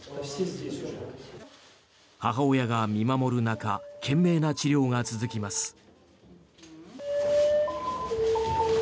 母親が見守る中懸命な治療が続きます。